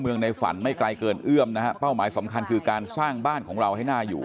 ในฝันไม่ไกลเกินเอื้อมนะฮะเป้าหมายสำคัญคือการสร้างบ้านของเราให้น่าอยู่